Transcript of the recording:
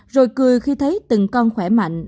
rồi cười khi thấy từng con khỏe mạnh